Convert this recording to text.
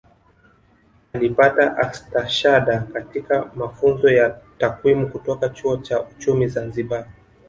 Alipata Astashada katika Mafunzo ya Takwimu kutoka Chuo cha Uchumi Zanzibar